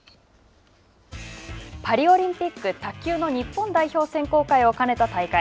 パリオリンピック卓球の日本代表選考会を兼ねた大会。